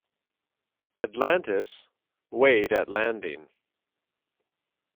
"Atlantis" weighed at landing.